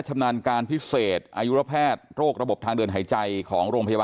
ใช่ครับมองเห็นลูกอยู่กับเราครับ